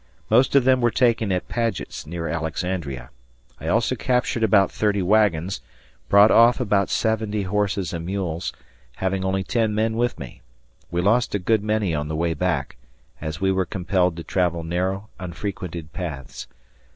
Most of them were taken at Padgett's, near Alexandria. I also captured about 30 wagons, brought off about 70 horses and mules, having only ten men with me. We lost a good many on the way back, as we were compelled to travel narrow unfrequented paths.